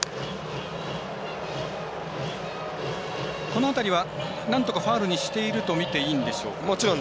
この辺りはなんとかファウルにしていると見て、いいですかね。